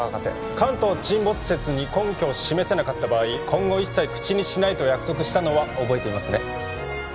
関東沈没説に根拠を示せなかった場合今後一切口にしないと約束したのは覚えていますね